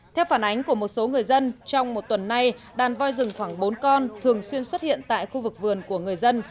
theo phản ánh của một số người dân trong một tuần nay đàn voi rừng khoảng bốn con thường xuyên xuất hiện tại khu vực vườn của người dân